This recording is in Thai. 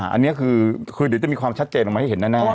อันนี้คือเดี๋ยวจะมีความชัดเจนออกมาให้เห็นแน่